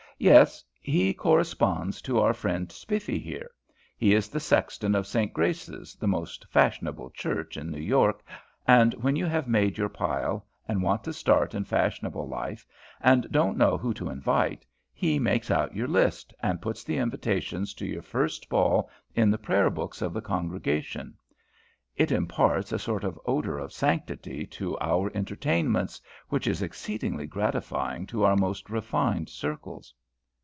"Yes. He corresponds to our friend Spiffy here. He is the sexton of St Grace's, the most fashionable church in New York; and when you have made your pile, and want to start in fashionable life, and don't know who to invite, he makes out your list, and puts the invitations to your first ball in the prayer books of the congregation. It imparts a sort of odour of sanctity to our entertainments, which is exceedingly gratifying to our most refined circles."